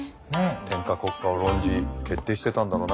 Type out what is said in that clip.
天下国家を論じ決定してたんだろうな